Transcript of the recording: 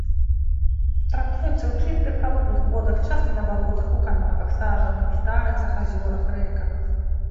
Трапляюцца ў чыстых, халодных водах, часта на балотах, у канавах, сажалках, старыцах, азёрах, рэках.